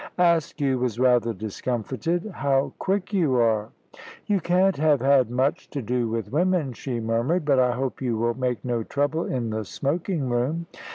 Askew was rather discomfited. "How quick you are!" "You can't have had much to do with women," she murmured; "but I hope you will make no trouble in the smoking room."